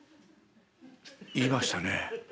「言いましたね。